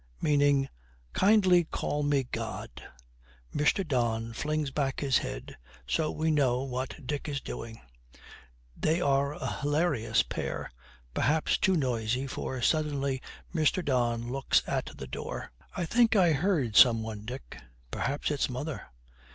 'Meaning "Kindly Call Me God!"' Mr. Don flings back his head; so we know what Dick is doing. They are a hilarious pair, perhaps too noisy, for suddenly Mr. Don looks at the door. 'I think I heard some one, Dick!' 'Perhaps it's mother!'